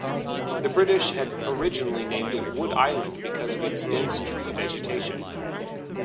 The British had originally named it Wood Island because of its dense tree vegetation.